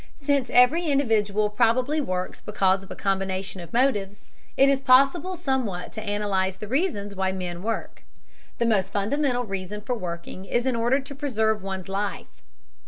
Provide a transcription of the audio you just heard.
Since every individual probably works because of a combination of motives, it is possible somewhat to analyze the reasons why men work. The most fundamental reason for working is in order to preserve one's life.